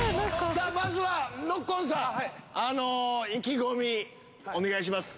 さあまずはノッコンさんはい意気込みお願いします